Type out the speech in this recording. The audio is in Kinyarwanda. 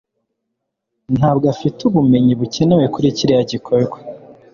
ntabwo afite ubumenyi bukenewe kuri kiriya gikorwa